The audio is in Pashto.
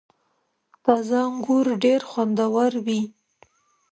• تازه انګور ډېر خوندور وي.